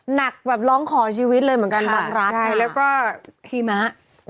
หนักแบบร้องขอชีวิตเลยเหมือนกันแบบรัก